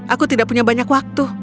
aku tidak punya banyak waktu